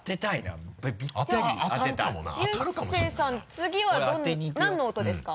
次は何の音ですか？